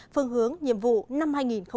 phương hướng nhiệm vụ năm hai nghìn hai mươi